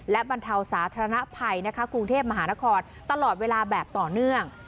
และบรรเทาสาธารณภัยนะคะกรุงเทพมหานครตลอดเวลาแบบต่อเนื่อง